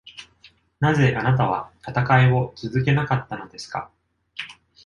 なぜあなたは戦いを続けなかったのですか？